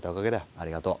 ありがとう。